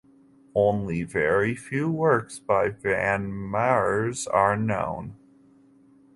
Only very few works by van Meurs are known.